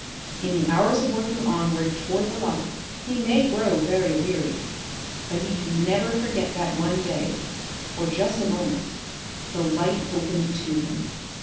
In the hours of working onward toward the light he may grow very weary, but he can never forget that one day, for just a moment, the light opened to him.